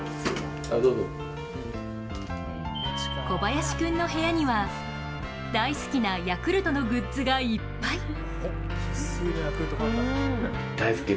小林君の部屋には大好きなヤクルトのグッズがいっぱい。